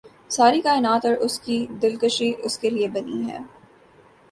ساری کائنات اور اس کی دلکشی اس کے لیے بنی ہے